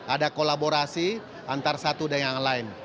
ada kolaborasi antara satu dengan yang lain